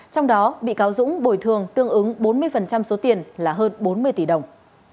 trong đó bị cáo dũng bồi thường tương ứng bốn mươi số tiền là hơn bốn mươi tỷ đồng